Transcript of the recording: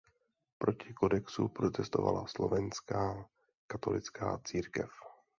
Proti kodexu protestovala slovenská katolická církev.